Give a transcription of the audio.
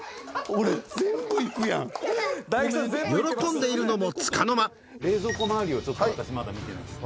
喜んでいるのもつかの間冷蔵庫周りをちょっと私まだ見てないんですよ。